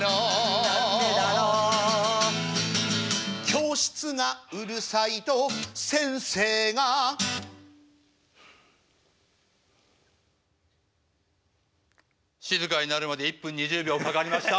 教室がうるさいと先生が「静かになるまで１分２０秒かかりました！」。